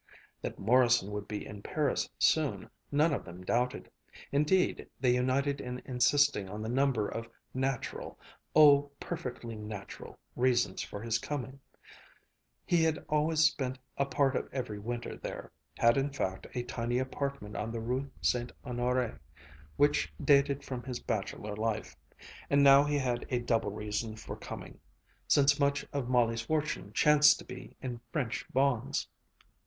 That Morrison would be in Paris soon, none of them doubted. Indeed, they united in insisting on the number of natural oh, perfectly natural reasons for his coming. He had always spent a part of every winter there, had in fact a tiny apartment on the Rue St. Honoré which dated from his bachelor life; and now he had a double reason for coming, since much of Molly's fortune chanced to be in French bonds.